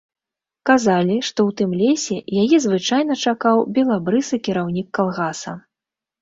Казалі, што ў тым лесе яе звычайна чакаў белабрысы кіраўнік калгаса.